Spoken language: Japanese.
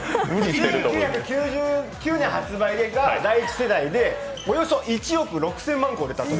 ９８年発売が第１世代で、およそ１億６０００万個売れた。